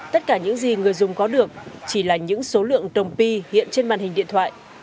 tất cả những gì người dùng có được chỉ là những số lượng đồng p hiện trên màn hình điện thoại